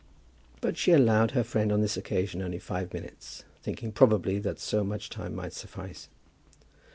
But she allowed her friend on this occasion only five minutes, thinking probably that so much time might suffice.